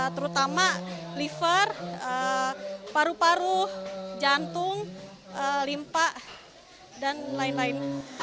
terutama liver paru paru jantung limpa dan lain lain